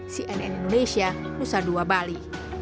cnn indonesia nusa dua bali